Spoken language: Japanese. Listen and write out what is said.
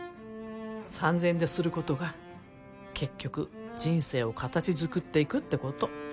３，０００円ですることが結局人生を形づくっていくってこと。